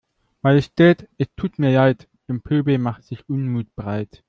Majestät es tut mir Leid, im Pöbel macht sich Unmut breit.